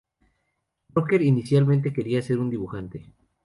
Roker inicialmente quería ser un dibujante.